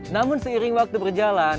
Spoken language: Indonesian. namun seiring waktu berjalan